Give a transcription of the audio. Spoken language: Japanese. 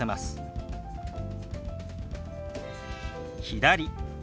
「左」。